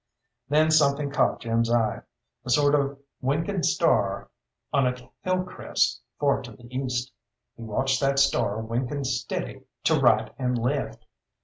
Then something caught Jim's eye, a sort of winking star on a hill crest far to the east. He watched that star winking steady to right and left.